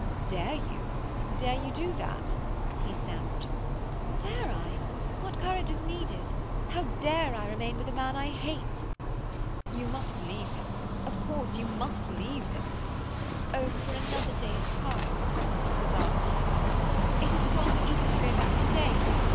"Dare you—dare you do that?" he stammered. "Dare I? What courage is needed? How dare I remain with a man I hate?" "You must leave him. Of course you must leave him." "Oh, before another day has passed!" sobbed Monica. "It is wrong even to go back to day.